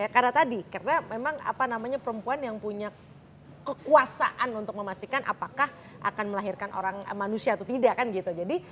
karena tadi karena memang apa namanya perempuan yang punya kekuasaan untuk memastikan apakah akan melahirkan orang manusia atau tidak kan gitu